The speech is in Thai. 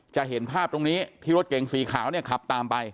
จะเห็นภาพตรงนี้ที่รถเก่งสีขาวเนี่ยขับตามไป